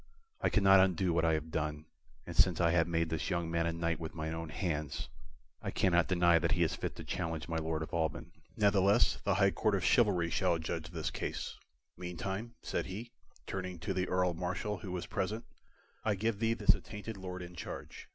I cannot undo what I have done, and since I have made this young man a knight with mine own hands, I cannot deny that he is fit to challenge my Lord of Alban. Ne'theless, the High Court of Chivalry shall adjudge this case. Meantime," said he, turning to the Earl Marshal, who was present, "I give thee this attainted Lord in charge.